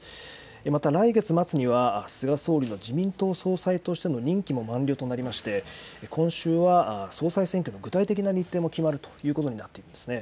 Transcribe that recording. また来月末には菅総理の自民党総裁としての任期も満了となりまして今週は総裁選挙の具体的な日程も決まるということになっています。